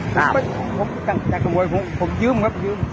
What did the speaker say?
โพผมอยากไปขโมยผมยืม